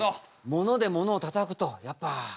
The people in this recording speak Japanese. ものでものをたたくとやっぱ。